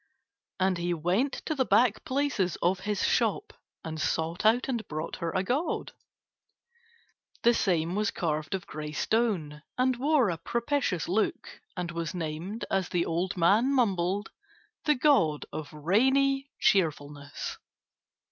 And he went to the back places of his shop and sought out and brought her a god. The same was carved of grey stone and wore a propitious look and was named, as the old man mumbled, The God of Rainy Cheerfulness.